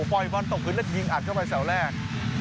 ปล่อยบอลตกพื้นแล้วยิงอัดเข้าไปเสาแรก